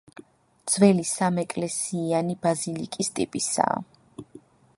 ძველი სამ ეკლესიიანი ბაზილიკის ტიპისაა.